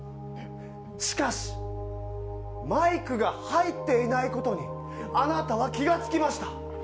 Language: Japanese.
しかし、マイクが入っていないことにあなたは気がつきました。